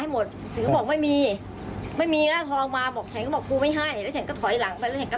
แล้วมันก็เอามีดมาก็จี้เอาตังมา